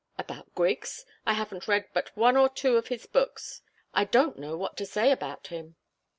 "About Griggs? I haven't read but one or two of his books. I don't know what to say about him."